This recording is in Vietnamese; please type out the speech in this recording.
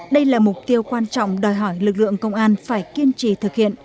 đây là mục tiêu quan trọng đòi hỏi lực lượng công an phải kiên trì thực hiện